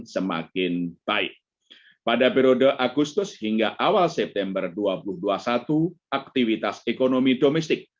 semakin baik pada periode agustus hingga awal september dua ribu dua puluh satu aktivitas ekonomi domestik